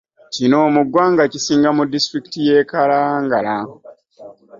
Kino mu ggwanga kisinga mu disitulikiti y'e Kalangala